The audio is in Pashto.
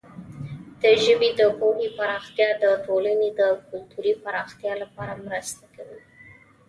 د ژبې د پوهې پراختیا د ټولنې د کلتوري پراختیا لپاره مرسته کوي.